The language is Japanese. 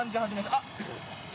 あっ！